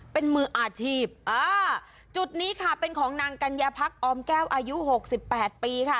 เป็นมืออาชีพอ่าจุดนี้ค่ะเป็นของนางกัญญาพักออมแก้วอายุหกสิบแปดปีค่ะ